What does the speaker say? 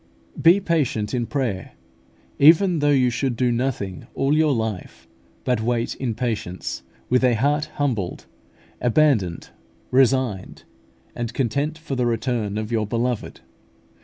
Be patient in prayer, even though you should do nothing all your life but wait in patience, with a heart humbled, abandoned, resigned, and content for the return of your Beloved.